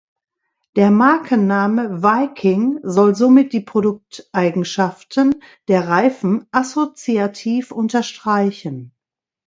Der Markenname Viking soll somit die Produkteigenschaften der Reifen assoziativ unterstreichen.